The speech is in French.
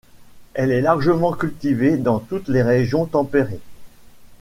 Elle est largement cultivée dans toutes les régions tempérées.